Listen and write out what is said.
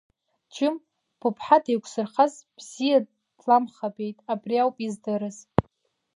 Џьым, быԥҳа деиқәзырхаз бзиа дламхабеит, абри ауп издырыз!